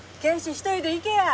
一人で行けや！